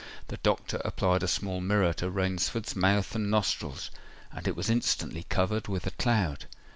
The doctor applied a small mirror to Rainford's mouth and nostrils; and it was instantly covered with a cloud.